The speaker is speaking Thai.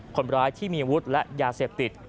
คนร้ายที่มีอาวุธและยาเสพติด